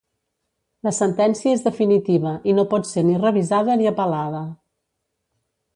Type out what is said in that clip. La sentència és definitiva i no pot ser ni revisada ni apel·lada.